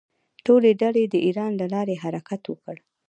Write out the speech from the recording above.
ټولې ډلې د ایران له لارې حرکت وکړ.